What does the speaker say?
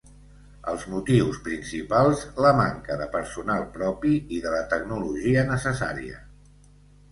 Els motius principals, la manca de personal propi i de la tecnologia necessària.